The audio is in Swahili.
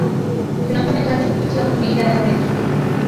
Tunafanya kazi kupitia kwenye idara zetu